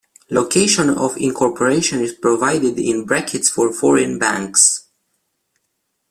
Location of incorporation is provided in brackets for foreign banks.